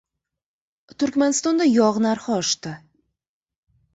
Turkmanistonda yog‘ narxi oshdi